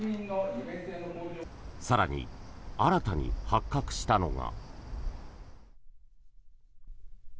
更に、新たに発覚したのが。